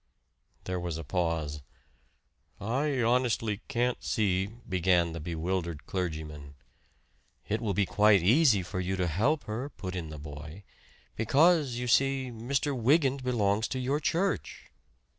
There was a pause. "I honestly can't see " began the bewildered clergyman. "It will be quite easy for you to help her," put in the boy; "because, you see, Mr. Wygant belongs to your church!"